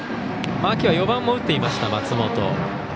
秋は４番を打っていました松本。